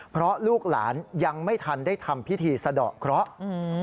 เพราะลูกหลานยังไม่ทันได้ทำพิธีสะดอกเคราะห์